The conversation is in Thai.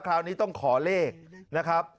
คราวนี้ต้องขอเลขนะครับ